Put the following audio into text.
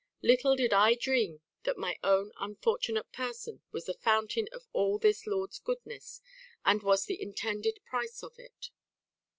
Little did I dream that my own unfortunate person was the fountain of all this lord's goodness, and was the intended price of it.